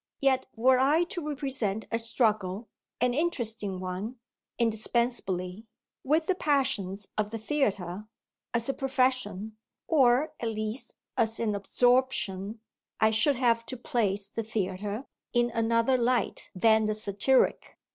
Yet were I to represent a struggle an interesting one, indispensably with the passions of the theatre (as a profession, or at least as an absorption) I should have to place the theatre in another light than the satiric.